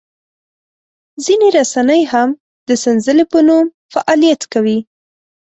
ځینې رسنۍ هم د سنځلې په نوم فعالیت کوي.